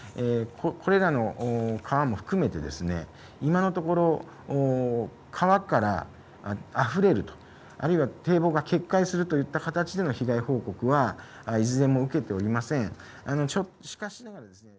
これらの川も含めて今のところ、川からあふれると、あるいは堤防が決壊するといった形での被害報告はいずれも受けておりません。